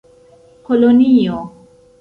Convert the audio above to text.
kolonio